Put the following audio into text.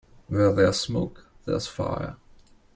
Where there's smoke there's fire.